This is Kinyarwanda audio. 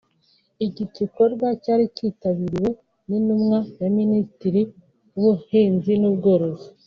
Iki gikorwa cyari cyitabiriwe n’intumwa ya Minisiteri y’Ubuhinzi n’Ubworozi